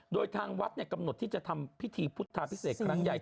โดยทางวัดกำหนดที่จะทำพิธีพุทธาพิเศษครั้งใหญ่